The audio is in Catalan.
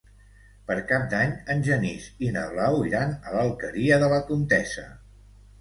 Per Cap d'Any en Genís i na Blau iran a l'Alqueria de la Comtessa.